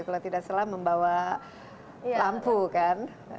kalau tidak salah membawa lampu kan